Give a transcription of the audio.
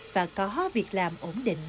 và có việc làm ổn định